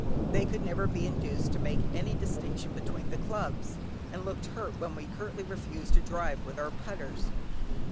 They could never be induced to make any distinction between the clubs, and looked hurt when we curtly refused to drive with our putters.